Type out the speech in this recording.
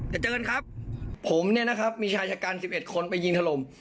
อย่าเจอกันครับผมเนี่ยนะครับมีชายชะการสิบเอ็ดคนไปยิงถล่ม